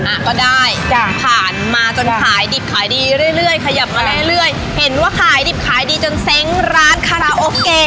อ่ะก็ได้จ้ะผ่านมาจนขายดิบขายดีเรื่อยขยับมาเรื่อยเห็นว่าขายดิบขายดีจนเซ้งร้านคาราโอเกะ